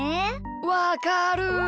わかる。